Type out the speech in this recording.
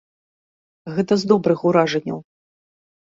Гэта з добрых уражанняў.